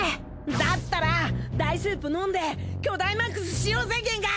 だったらダイスープ飲んでキョダイマックスしようぜゲンガー。